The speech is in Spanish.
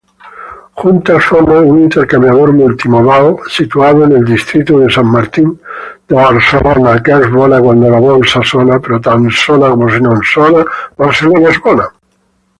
Juntas forman un intercambiador multimodal situado en el distrito de San Martín de Barcelona.